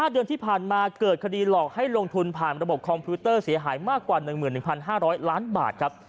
เดือนที่ผ่านมาเกิดคดีหลอกให้ลงทุนผ่านระบบคอมพิวเตอร์เสียหายมากกว่า๑๑๕๐๐ล้านบาทครับ